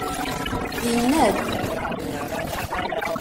Yenna-d.